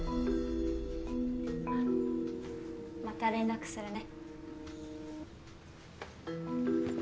また連絡するね。